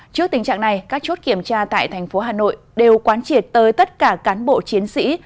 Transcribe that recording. trước tình trạng này các chốt kiểm tra tại thành phố hà nội đều quán triệt tới tất cả cán bộ chiến sĩ